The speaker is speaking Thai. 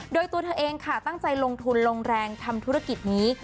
โดยตัวเธอเองค่ะตั้งใจลงทุนลงแรงทำธุรกิจนี้